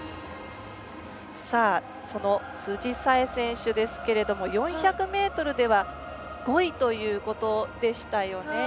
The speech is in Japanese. その辻沙絵選手ですが４００ｍでは５位ということでしたよね。